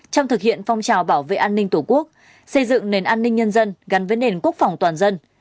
trong thực hiện phong trào bảo vệ an ninh tổ quốc xây dựng nền an ninh nhân dân gắn với nền quốc phòng toàn dân